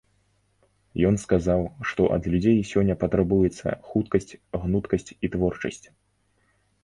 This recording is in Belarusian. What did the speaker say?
Ён сказаў, што ад людзей сёння патрабуецца хуткасць, гнуткасць і творчасць.